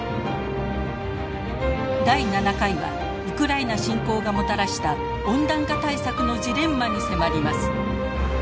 第７回はウクライナ侵攻がもたらした温暖化対策のジレンマに迫ります。